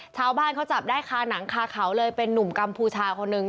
ชาวบ้านเขาจับได้คาหนังคาเขาเลยเป็นนุ่มกัมพูชาคนหนึ่ง